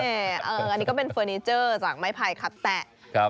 อันนี้ก็เป็นเฟอร์นิเจอร์จากไม้ไผ่ขัดแตะ